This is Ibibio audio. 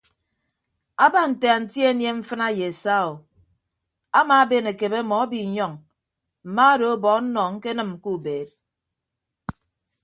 Aba nte anti anie mfịna ye saa o amaaben akebe ọmọ abiinyọñ mma odo ọbọ ọnnọ ñkenịm ke ubeed.